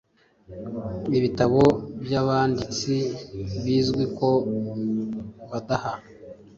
ibitabo by’abanditsi bizwi ko badaha